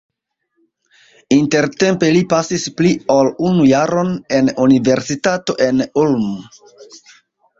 Intertempe li pasis pli ol unu jaron en universitato en Ulm.